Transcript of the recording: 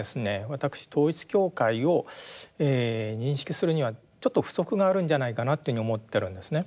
私統一教会を認識するにはちょっと不足があるんじゃないかなというふうに思ってるんですね。